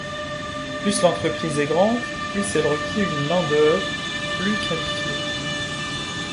Plus l'entreprise est grande, plus elle requiert une main d’œuvre plus qualifiée.